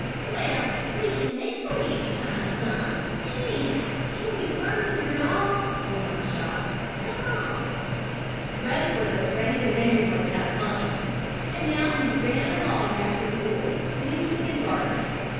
"Well, we can make believe to find some, and anyhow it will be fun with your dog," went on Chot. "Come on!" Ruddy was as ready as anyone to have fun, and now he ran along after the boys, leaping and barking.